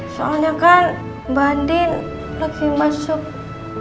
soalnya kan mbak andien lagi masuk icu